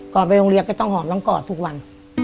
ไปโรงเรียนก็ต้องหอมน้องกอดทุกวัน